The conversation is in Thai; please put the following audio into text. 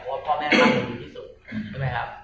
ว่าพ่อแม่รักดูที่สุดใช่ไหมครับ